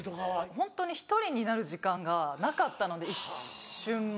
ホントに１人になる時間がなかったので一瞬も。